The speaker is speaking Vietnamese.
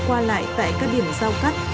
qua lại tại các điểm giao cắt